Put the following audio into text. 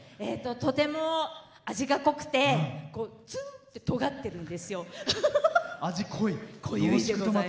とても味が濃くてツンって、とがってるんですよ。